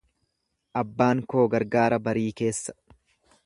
Abbaan koo gargaara barii keessa.